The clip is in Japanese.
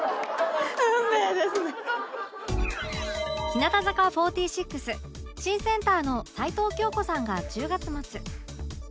日向坂４６新センターの齊藤京子さんが１０月末